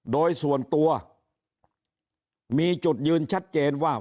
โดยส่วนตัวมีจุดยืนชัดเจนว่า